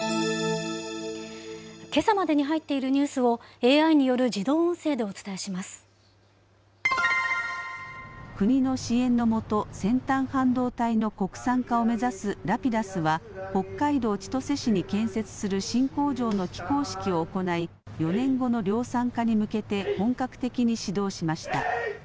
けさまでに入っているニュースをＡＩによる自動音声でお伝えしま国の支援のもと、先端半導体の国産化を目指すＲａｐｉｄｕｓは、北海道千歳市に建設する新工場の起工式を行い、４年後の量産化に向けて本格的に始動しました。